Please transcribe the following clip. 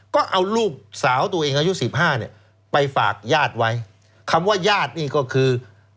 ต้องเอาลูกสาวตัวเองอายุ๑๕ไปฝากญาติไว้คำว่าญาตินี่ก็คือ